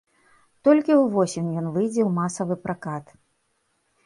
Толькі ўвосень ён выйдзе ў масавы пракат.